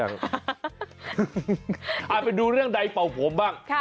เอาไปดูเรื่องใดเป่าผมบ้าง